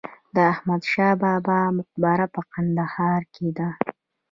د احمد شاه بابا مقبره په کندهار کې ده